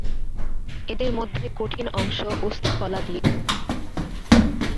এদের মধ্যে কঠিন অংশ অস্থি কলা দিয়ে তৈরী।